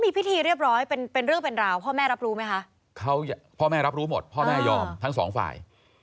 พ่อแม่รับรู้หมดพ่อแม่ยอมทั้งสองฝ่าย